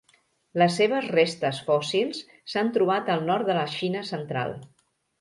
Les seves restes fòssils s'han trobat al nord de la Xina central.